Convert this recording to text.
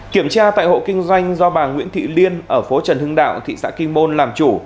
kiểm tra tại hộ kinh doanh do bà nguyễn thị liên ở phố trần hưng đạo thị xã kinh môn làm chủ